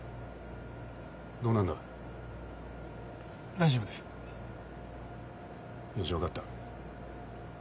大丈夫です。よし分かった。